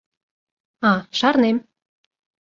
А, шарнем.